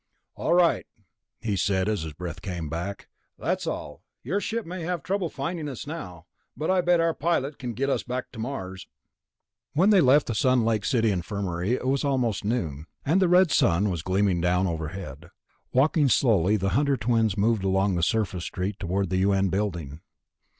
"All right," he said as his breath came back, "that's all. Your ship may have trouble finding us now ... but I bet our pilot can get us back to Mars." When they left the Sun Lake City infirmary it was almost noon, and the red sun was gleaming down from overhead. Walking slowly, the Hunter twins moved along the surface street toward the U.N. building.